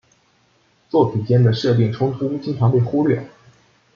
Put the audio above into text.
作品间的设定冲突经常被忽略。